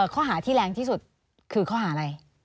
ข้อหาที่แรงที่สุดคือข้อหาอะไร